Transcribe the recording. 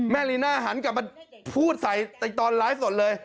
ลีน่าหันกลับมาพูดใส่ตอนไลฟ์สดเลย